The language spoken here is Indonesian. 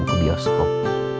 biasanya di bioskop